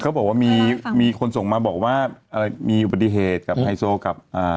เขาบอกว่ามีคนส่งมาบอกว่ามีอุบัติเหตุกับไทยโซกับ